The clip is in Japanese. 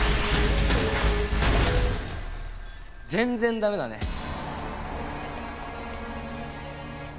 全然だめだね。